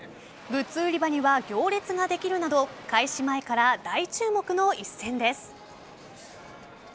グッズ売り場には行列ができるなど開始前から大注目の一戦です。